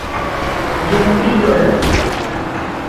جنوبی یورپ